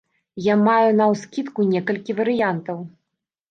Я маю наўскідку некалькі варыянтаў.